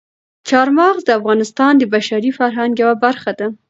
چار مغز د افغانستان د بشري فرهنګ یوه برخه ده.